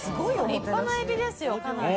立派なエビですよかなり。